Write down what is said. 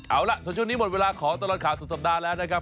เอาล่ะส่วนช่วงนี้หมดเวลาของตลอดข่าวสุดสัปดาห์แล้วนะครับ